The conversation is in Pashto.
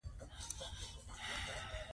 هغوی د کورنۍ خوښي زیاتوي.